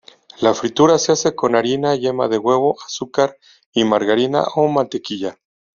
La fritura se hace con harina, yema de huevo, azúcar y margarina o mantequilla.